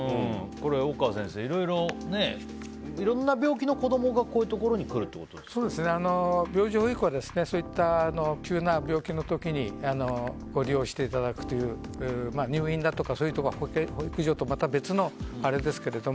大川先生、いろんな病気の子供がこういうところに病児保育はそういった急な病気の時にご利用していただくという入院だとかそういう保育所とはまた別のあれですけど。